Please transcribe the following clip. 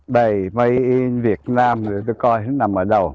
đây mấy việt nam tôi coi nó nằm ở đâu